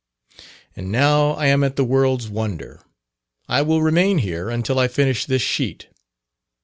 And now I am at the world's wonder, I will remain here until I finish this sheet.